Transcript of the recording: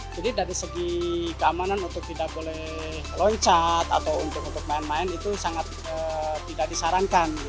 jadi dari segi keamanan untuk tidak boleh loncat atau untuk main main itu sangat tidak disarankan